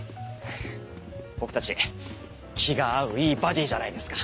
僕たち気が合ういいバディじゃないですか。